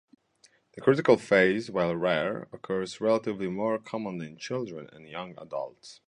This critical phase, while rare, occurs relatively more commonly in children and young adults.